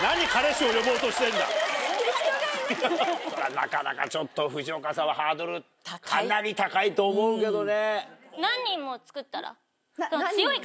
なかなかちょっと藤岡さんはハードルかなり高いと思うけどね。